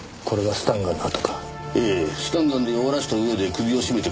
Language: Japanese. スタンガンで弱らせた上で首を絞めて殺したようですな。